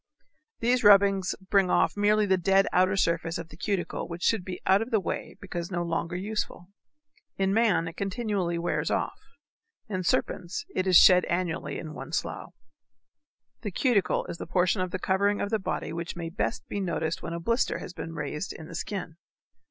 These rubbings bring off merely the dead outer surface of the cuticle which should be out of the way because no longer useful. In man it continually wears off, in serpents it is shed annually in one slough. The cuticle is the portion of the covering of the body which may best be noticed when a blister has been raised in the skin.